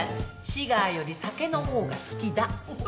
シガーより酒の方が好きだ。